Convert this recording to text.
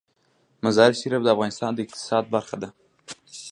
مزارشریف د افغانستان د اقتصاد برخه ده.